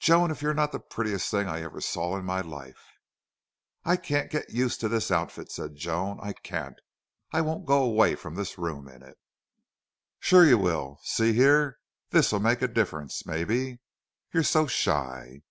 "Joan, if you're not the prettiest thing I ever saw in my life!" "I can't get used to this outfit," said Joan. "I can't I won't go away from this room in it." "Sure you will. See here, this'll make a difference, maybe. You're so shy."